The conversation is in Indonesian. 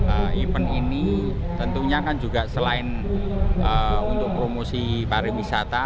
event ini tentunya kan juga selain untuk promosi pariwisata